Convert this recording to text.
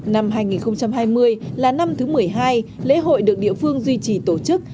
năm hai nghìn hai mươi là năm thứ một mươi hai lễ hội được địa phương duy trì tổ chức